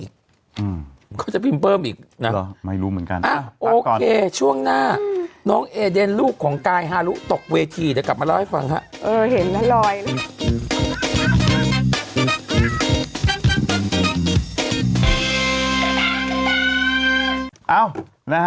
เพราะมีการอะไรเพราะมีการดีมาร์